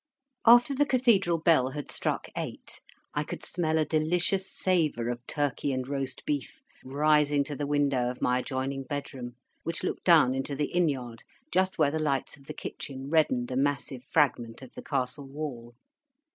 After the Cathedral bell had struck eight, I could smell a delicious savour of Turkey and Roast Beef rising to the window of my adjoining bedroom, which looked down into the inn yard just where the lights of the kitchen reddened a massive fragment of the Castle Wall.